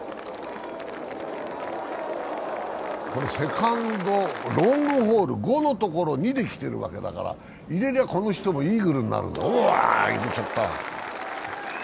セカンド、ロングホール５のところを２で来てるわけだから入れりゃ、この人もイーグルになるうわー、入れちゃった！